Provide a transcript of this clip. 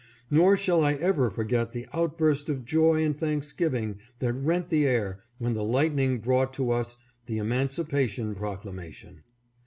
Nor shall I ever forget the outburst of joy and thanksgiving that rent the air when the lightning brought to us the emancipation proclamation.